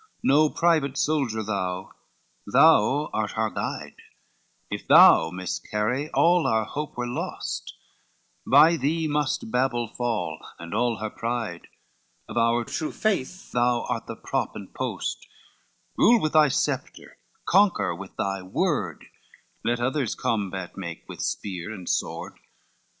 No private soldier thou, thou art our guide, If thou miscarry, all our hope were lost, By thee must Babel fall, and all her pride; Of our true faith thou art the prop and post, Rule with thy sceptre, conquer with thy word, Let others combat make with spear and sword.